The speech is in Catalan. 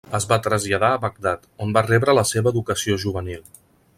Es va traslladar a Bagdad, on va rebre la seva educació juvenil.